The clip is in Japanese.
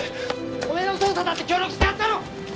おめえの捜査だって協力してやったろ！